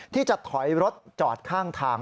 ที่จะถอยรถจอดข้างทาง